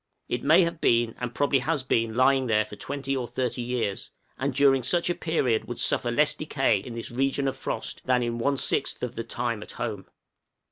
It may have been and probably has been lying there for twenty or thirty years, and during such a period would suffer less decay in this region of frost than in one sixth of the time at home.